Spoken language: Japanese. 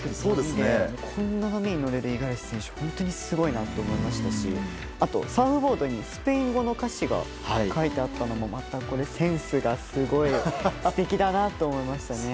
こんな波に乗れる五十嵐選手は本当にすごいなと思いましたしサーフボードにスペイン語の歌詞があったのもまたセンスがすごい素敵だなと思いましたね。